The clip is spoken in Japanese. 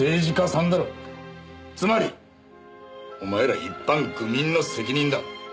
つまりお前ら一般愚民の責任だ。